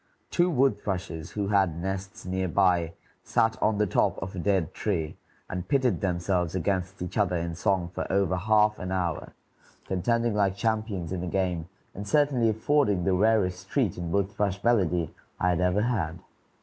Two wood thrushes who had nests near by sat on the top of a dead tree and pitted themselves against each other in song for over half an hour, contending like champions in a game, and certainly affording the rarest treat in wood thrush melody I had ever had.